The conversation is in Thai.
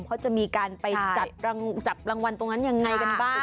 เขาจะมีการไปจับรางวัลตรงนั้นยังไงกันบ้าง